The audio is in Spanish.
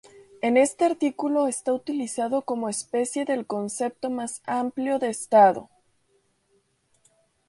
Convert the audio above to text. En este artículo está utilizado como especie del concepto más amplio de Estado.